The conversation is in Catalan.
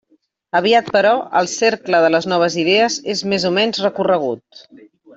Aviat, però, el cercle de les noves idees és més o menys recorregut.